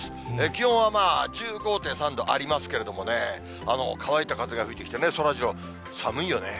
気温はまあ１５．３度ありますけれどもね、乾いた風が吹いてきてね、そらジロー、寒いよね？